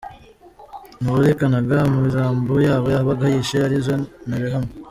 Ni uwerekanaga imirambo y’abo yabaga yishe, arizo nterahamwe?